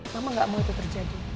mama gak mau itu terjadi